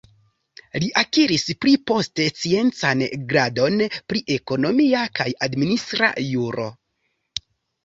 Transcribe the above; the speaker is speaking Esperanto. Li akiris pli poste sciencan gradon pri ekonomia kaj administra juro.